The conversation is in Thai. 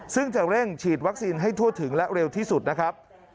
ซึ่งจะเร่งฉีดวัคซีนให้ทั่วถึงและเร็วที่สุดนะครับ